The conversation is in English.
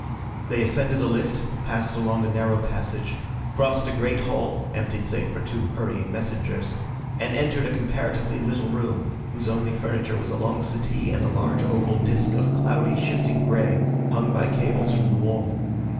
They ascended a lift, passed along a narrow passage, crossed a great hall, empty save for two hurrying messengers, and entered a comparatively little room, whose only furniture was a long settee and a large oval disc of cloudy, shifting grey, hung by cables from the wall.